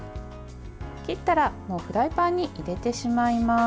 切ったらフライパンに入れてしまいます。